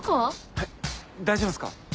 はい大丈夫っすか？